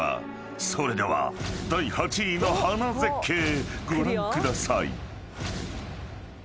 ［それでは第８位の花絶景ご覧ください］